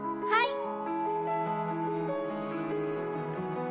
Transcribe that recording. はい。